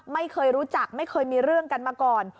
ไม่เคยรู้จักไม่เคยมีเรื่องกันมาก่อน